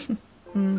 うん。